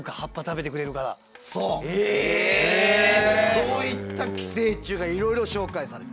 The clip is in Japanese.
そういった寄生虫がいろいろ紹介されてる。